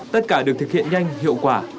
tất cả được thực hiện nhanh hiệu quả